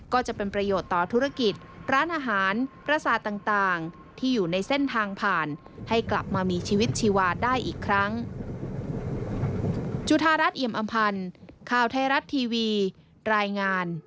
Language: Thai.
ก็จะเป็นประโยชน์ต่อธุรกิจร้านอาหารประสาทต่างที่อยู่ในเส้นทางผ่านให้กลับมามีชีวิตชีวาได้อีกครั้ง